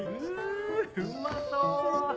うまそう！